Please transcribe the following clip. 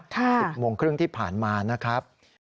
ค่ะนะครับ๑๐โมงครึ่งที่ผ่านมานะครับ